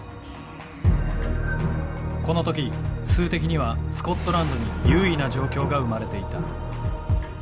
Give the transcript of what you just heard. この時数的にはスコットランドに優位な状況が生まれていた。